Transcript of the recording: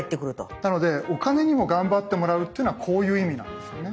なのでお金にも頑張ってもらうってのはこういう意味なんですよね。